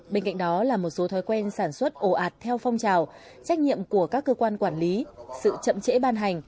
bên cạnh đó là một số thói quen sản xuất ồ ạt theo phong trào trách nhiệm của các cơ quan quản lý sự chậm trễ ban hành